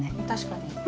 確かに。